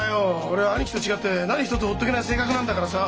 俺は兄貴と違って何一つほっとけない性格なんだからさ。